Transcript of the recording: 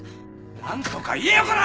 何とか言えよこら！